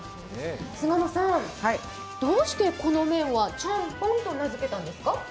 菅野さん、どうしてこの麺はチャンポンと名付けたんですか？